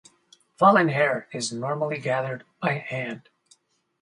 Fallen hair is normally gathered by hand.